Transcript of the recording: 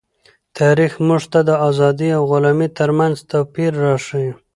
تاریخ موږ ته د آزادۍ او غلامۍ ترمنځ توپیر راښيي.